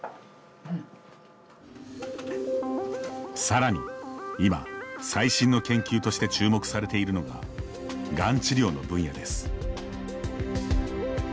さらに今、最新の研究として注目されているのががん治療の分野です。